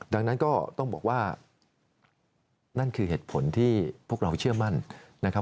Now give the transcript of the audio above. ดังนั้นก็ต้องบอกว่านั่นคือเหตุผลที่พวกเราเชื่อมั่นนะครับ